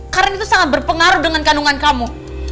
karena itu sangat berpengaruh dengan kandungan kamu